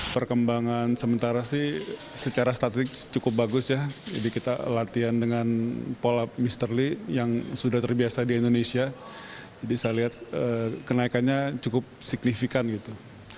perkembangan sementara sih secara statistik cukup bagus ya jadi kita latihan dengan pola mr lee yang sudah terbiasa di indonesia jadi saya lihat kenaikannya cukup signifikan gitu